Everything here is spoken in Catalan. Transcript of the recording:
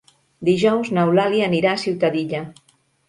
Dijous n'Eulàlia anirà a Ciutadilla.